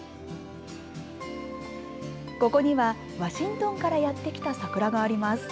ここにはワシントンからやってきた桜があります。